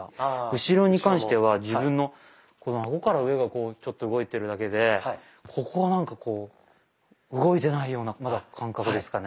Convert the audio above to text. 後ろに関しては自分のこの顎から上がこうちょっと動いてるだけでここはなんかこう動いてないようなまだ感覚ですかね。